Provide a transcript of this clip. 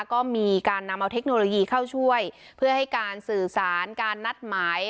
ก็มีการนำเอาเทคโนโลยีเข้าช่วยเพื่อให้การสื่อสารการนัดหมาย